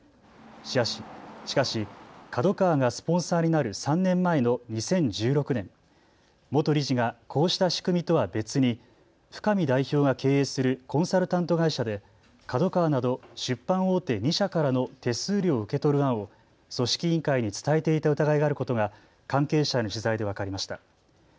しかし、ＫＡＤＯＫＡＷＡがスポンサーになる３年前の２０１６年、元理事が、こうした仕組みとは別に深見代表が経営するコンサルタント会社でＫＡＤＯＫＡＷＡなど出版大手２社からの手数料を受け取る案を組織委員会に伝えていた疑いがあることが関係者への取材で分かりました。